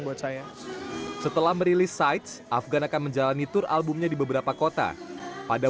buat saya setelah merilis sites afgan akan menjalani tour albumnya di beberapa kota pada